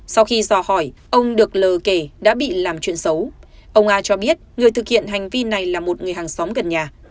sau khi dò hỏi ông được lờ kề đã bị làm chuyện xấu ông a cho biết người thực hiện hành vi này là một người hàng xóm gần nhà